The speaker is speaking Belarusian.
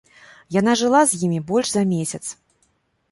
Яна жыла з імі больш за месяц.